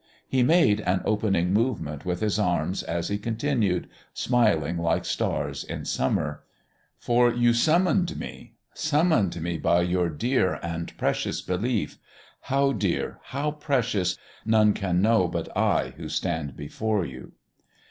He made an opening movement with his arms as he continued, smiling like stars in summer. "For you summoned me; summoned me by your dear and precious belief: how dear, how precious, none can know but I who stand before you."